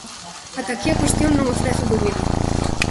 Ata aquí a cuestión non ofrece dúbida.